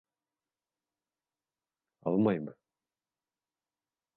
Алмаймы?